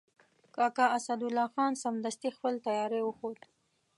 کاکا اسدالله خان سمدستي خپل تیاری وښود.